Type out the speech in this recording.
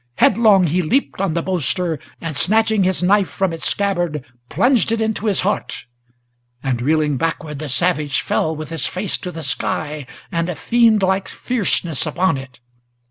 Headlong he leaped on the boaster, and, snatching his knife from its scabbard, Plunged it into his heart, and, reeling backward, the savage Fell with his face to the sky, and a fiendlike fierceness upon it.